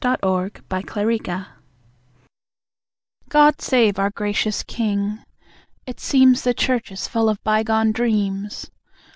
God save the King GOD SAVE OUR GRACIOUS KING. (It seems The Church is full of bygone dreams.)